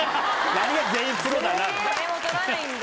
何が「全員プロだな」だ。